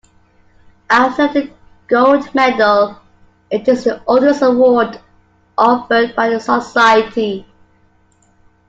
After the Gold Medal it is the oldest award offered by the Society.